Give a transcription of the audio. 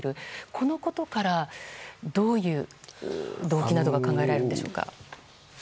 このことからどういう動機などが考えられるでしょうか？